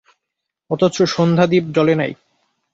অথচ সন্ধ্যাদীপ জ্বলে নাই।